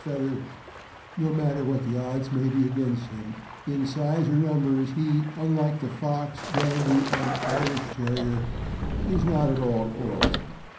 feather," no matter what the odds may be against him, in size or numbers, he, unlike the Fox, Dandie, and Irish Terrier, is not at all quarrelsome.